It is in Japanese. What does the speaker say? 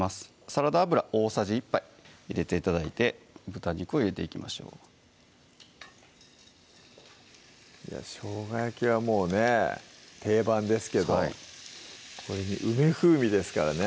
サラダ油大さじ１杯入れて頂いて豚肉を入れていきましょうしょうが焼きはもうね定番ですけどこれに梅風味ですからね